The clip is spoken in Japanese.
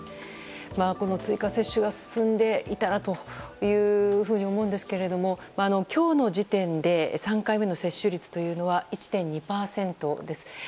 この追加接種が進んでいったらと思うんですが今日の時点で３回目の接種率というのは１．２％です。